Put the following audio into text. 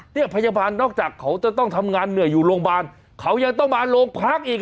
เนี่ยพยาบาลนอกจากเขาจะต้องทำงานเหนื่อยอยู่โรงพยาบาลเขายังต้องมาโรงพักอีก